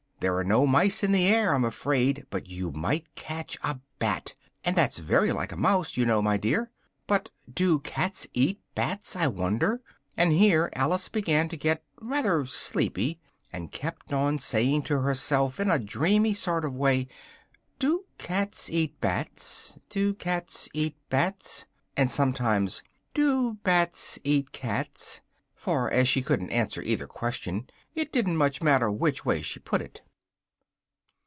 There are no mice in the air, I'm afraid, but you might catch a bat, and that's very like a mouse, you know, my dear. But do cats eat bats, I wonder?" And here Alice began to get rather sleepy, and kept on saying to herself, in a dreamy sort of way "do cats eat bats? do cats eat bats?" and sometimes, "do bats eat cats?" for, as she couldn't answer either question, it didn't much matter which way she put it.